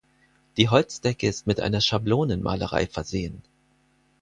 Die Holzdecke ist mit einer Schablonenmalerei versehen.